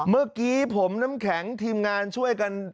เมื่อกี้ผมน้ำแข็งทีมงานช่วยกัน